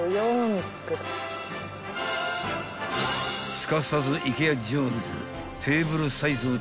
［すかさずイケア・ジョーンズ］